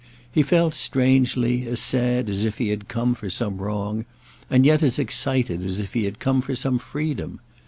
He felt, strangely, as sad as if he had come for some wrong, and yet as excited as if he had come for some freedom.